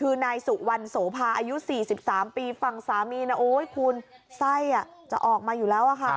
คือนายสุวรรณโสภาอายุ๔๓ปีฝั่งสามีนะโอ๊ยคุณไส้จะออกมาอยู่แล้วอะค่ะ